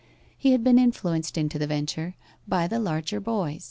He had been influenced into the venture by the larger boys.